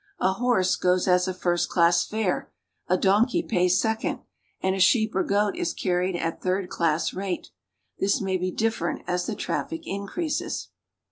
A horse goes as a first class fare, a donkey pays second, and a sheep or goat is carried at the third class rate. This may be different as the traffic increases.